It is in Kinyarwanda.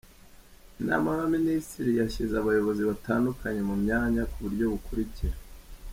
Inama y’Abaminisitiri yashyize Abayobozi batandukanye mu myanya ku buryo bukurikira :